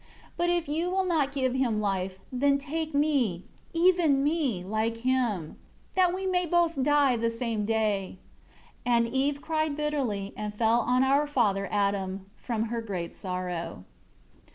13 But if You will not give him life, then take me, even me, like him; that we both may die the same day." 14 And Eve cried bitterly, and fell on our father Adam; from her great sorrow.